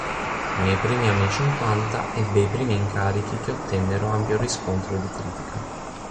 Nei primi anni cinquanta ebbe i primi incarichi che ottennero ampio riscontro di critica.